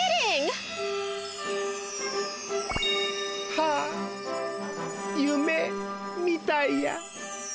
はあゆめみたいや。